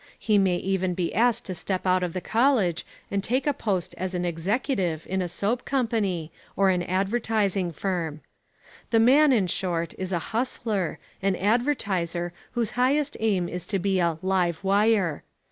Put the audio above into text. He may even be asked to step out of the college and take a post as an "executive" in a soap company or an advertising firm. The man, in short, is a "hustler," an "advertiser" whose highest aim is to be a "live wire."